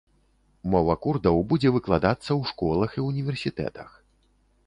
Мова курдаў будзе выкладацца ў школах і універсітэтах.